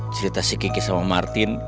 cerita si kiki sama martin